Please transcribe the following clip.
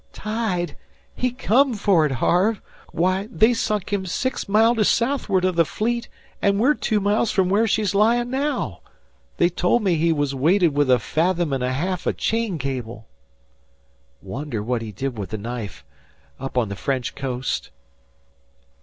"Tide! He come for it, Harve. Why, they sunk him six miles to south'ard o' the Fleet, an' we're two miles from where she's lyin' now. They told me he was weighted with a fathom an' a half o' chain cable." "Wonder what he did with the knife up on the French coast?"